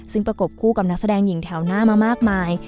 ซึ่งประกบคู่กับนักแสดงหญิงแถวหน้ามามากมาย